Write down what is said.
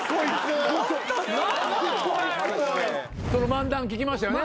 漫談聞きましたよね。